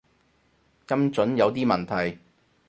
音準有啲問題